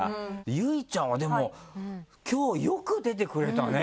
結実ちゃんはでも今日よく出てくれたね